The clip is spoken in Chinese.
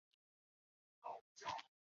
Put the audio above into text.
曾在南宋咸淳年间任隆兴知府。